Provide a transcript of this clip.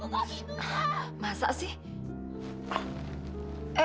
bu ingrid buka pintunya